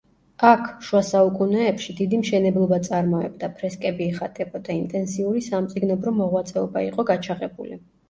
აქ, შუა საუკუნეებში, დიდი მშენებლობა წარმოებდა, ფრესკები იხატებოდა, ინტენსიური სამწიგნობრო მოღვაწეობა იყო გაჩაღებული.